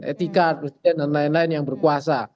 etika presiden dan lain lain yang berkuasa